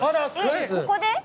ここで？